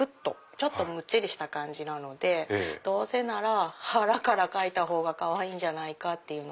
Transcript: ちょっとむっちりした感じなのでどうせなら腹から描いた方がかわいいんじゃないかって。